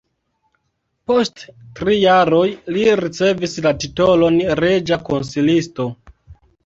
Post tri jaroj li ricevis la titolon reĝa konsilisto.